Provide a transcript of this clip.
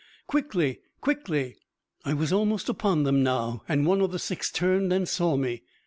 Quickly! Quickly!" I was almost upon them now, and one of the six turned and saw me.